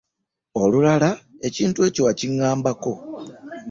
Olulala ekintu ekyo wakiŋŋambako.